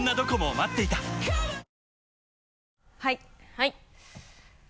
はい。